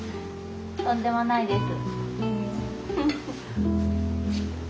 とんでもないです。